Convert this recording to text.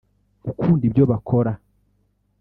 gukunda ibyo bakora